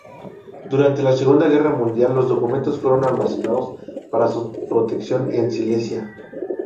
Durante la Segunda Guerra Mundial los documentos fueron almacenados para su protección en Silesia.